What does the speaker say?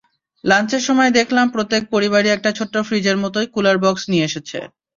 লাঞ্চের সময় দেখলাম প্রত্যেক পরিবারই একটা ছোট্ট ফ্রিজের মতোই কুলার বক্স নিয়ে এসেছে।